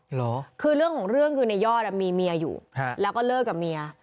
เหรอคือเรื่องของเรื่องคือในยอดมีเมียอยู่แล้วก็เลิกกับเมีย